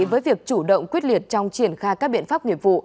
với việc chủ động quyết liệt trong triển khai các biện pháp nghiệp vụ